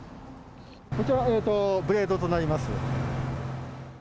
こちらブレードとなります。